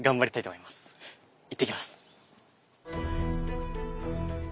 いってきます。